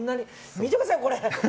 見てください、これ。